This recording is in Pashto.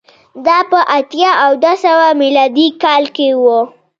دا په اتیا او دوه سوه میلادي کال کې و